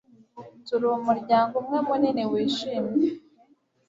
Turi umuryango umwe munini wishimye